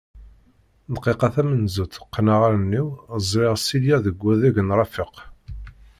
Dqiqa tamenzut qqneɣ allen-iw, ẓriɣ Silya deg wadeg n Rafiq.